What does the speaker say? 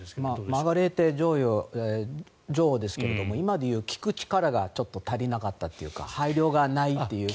マルグレーテ女王ですが今でいう聞く力がちょっと足りなかったというか配慮がないという。